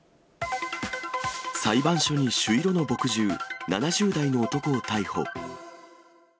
裁判所に朱色の墨汁、７０代の男を逮捕。